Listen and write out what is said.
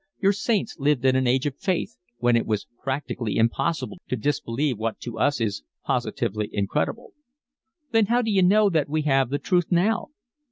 Your saints lived in an age of faith, when it was practically impossible to disbelieve what to us is positively incredible." "Then how d'you know that we have the truth now?"